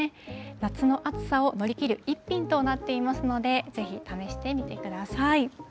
夏の暑さを乗り切る一品となっていますので、ぜひ試してみてください。